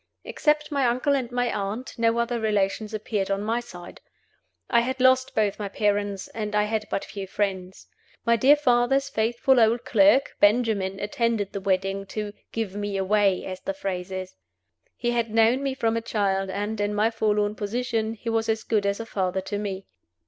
Except my uncle and my aunt, no other relations appeared on my side. I had lost both my parents, and I had but few friends. My dear father's faithful old clerk, Benjamin, attended the wedding to "give me away," as the phrase is. He had known me from a child, and, in my forlorn position, he was as good as a father to me.